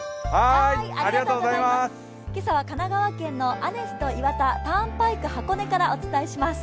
今朝は神奈川県のアネスト岩田ターンパイク箱根からお伝えします。